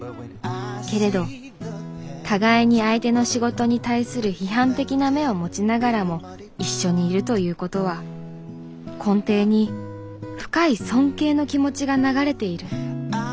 けれど互いに相手の仕事に対する批判的な目を持ちながらも一緒にいるということは根底に深い尊敬の気持ちが流れている。